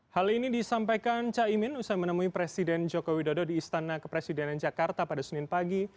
hal ini disampaikan caimin usai menemui presiden joko widodo di istana kepresidenan jakarta pada senin pagi